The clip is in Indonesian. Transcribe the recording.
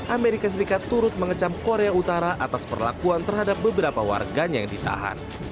amerika serikat turut mengecam korea utara atas perlakuan terhadap beberapa warganya yang ditahan